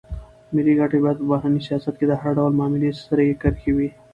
ملي ګټې باید په بهرني سیاست کې د هر ډول معاملې سرې کرښې وي.